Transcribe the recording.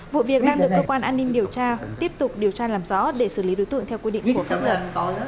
vụ việc đang được cơ quan an ninh điều tra tiếp tục điều tra làm rõ để xử lý đối tượng theo quy định của pháp luật